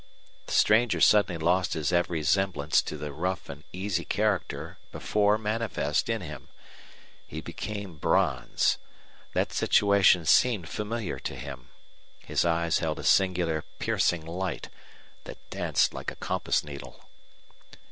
The stranger suddenly lost his every semblance to the rough and easy character before manifest in him. He became bronze. That situation seemed familiar to him. His eyes held a singular piercing light that danced like a compass needle.